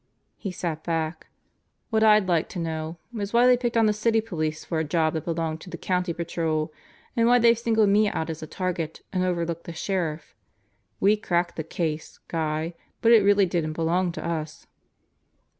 He sat back. "What I'd like to know is why they picked on the City Police for a job that belonged to the County Patrol, and why they singled me out as a target and overlooked the Sheriff. We cracked the case, Guy, but it really didn't belong to us."